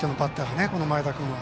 この前田君は。